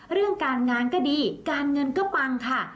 เรื่องการงานก็ดีการเงินก็ปังค่ะ